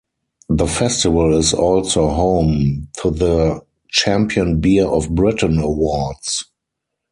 The festival is also home to the Champion Beer of Britain awards.